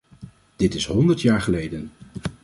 Dit is honderd jaar geleden!